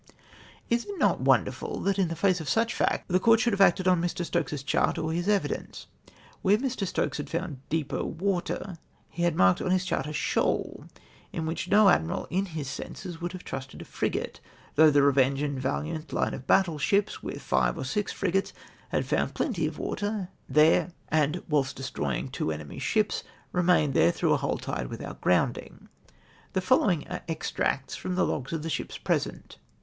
Is it not wonderful that in face of such facts, tlie Court should have acted on Mr. Stokes's chart or his evidence ? Where ]\ii . Stokes had found " dee^ter u atcr " lie had marked on his chart a shoal, on wliicli no admiral in his senses would have trusted a frigate, though the Revenge and Valiant line of battle ships, with five or six frigates had found plenty of water, and, whilst destroying two enemy's ships, remained there throuo h a whole tide without jT roundino ! The fol lowing are extracts from the logs of the ships present.